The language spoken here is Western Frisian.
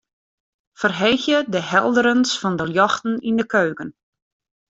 Ferheegje de helderens fan de ljochten yn de keuken.